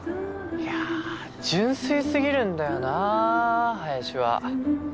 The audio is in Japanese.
いや純粋すぎるんだよな林は。